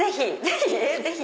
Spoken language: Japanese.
ぜひ！